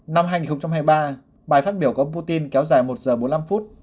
năm hai nghìn hai mươi ba bài phát biểu có putin kéo dài một giờ bốn mươi năm phút